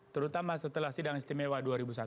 terutama setelah sidang istimewa dua ribu satu